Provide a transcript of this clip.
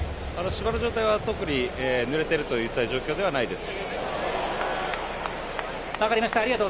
芝の状態は特にぬれているという状況ではないです。